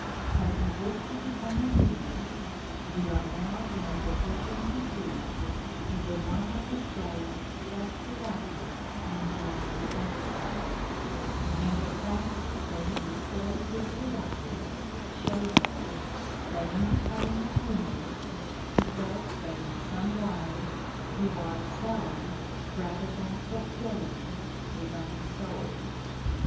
Had he wished to become a humorist, we are now in a position to see, he would not have displayed such reluctance in joining the Enterprise, and the fact that he displayed this reluctance shows us that in becoming a humorist he felt that in some way he was selling rather than fulfilling his own soul.